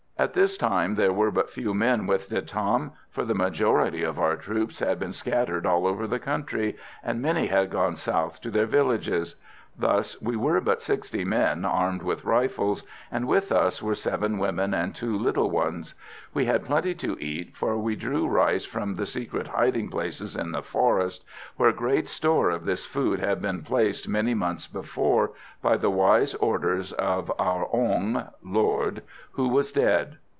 "At this time there were but few men with De Tam, for the majority of our troops had been scattered all over the country, and many had gone south to their villages; thus we were but sixty men armed with rifles, and with us were seven women and two little ones. We had plenty to eat, for we drew rice from the secret hiding places in the forest, where great store of this food had been placed many months before, by the wise orders of our Ong (Lord), who was dead.